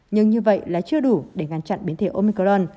nhưng như vậy là chưa đủ để ngăn chặn biến thể omicron